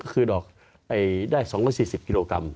คือดอกได้๒๔๐กิโลกรัม